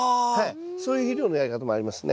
そういう肥料のやり方もありますね。